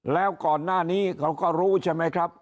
แล้วก่อนหน้านี้เขาก็รู้ใช่ไหมครับ